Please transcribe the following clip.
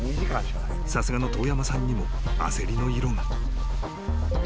［さすがの遠山さんにも焦りの色が］